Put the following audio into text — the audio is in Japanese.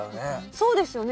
そうですよね。